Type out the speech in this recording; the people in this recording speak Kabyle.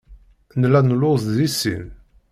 Nella nelluẓ deg sin.